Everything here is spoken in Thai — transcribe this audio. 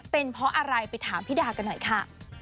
เป็นเพราะอะไรไปถามพี่ดากันหน่อยค่ะ